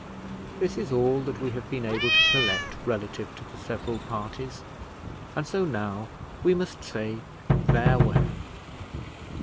This is all that we have been able to collect relative to the several parties; and so now we must say farewell.